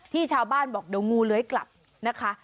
ชาวบ้านบอกเดี๋ยวงูเลื้อยกลับนะคะ